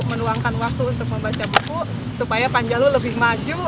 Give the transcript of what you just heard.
menuangkan waktu untuk membaca buku supaya panjalu lebih maju